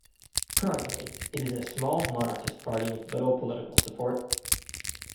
Currently it is a small monarchist party with little political support.